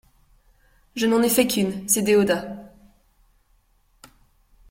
Je n'en ai fait qu'une : c'est Déodat.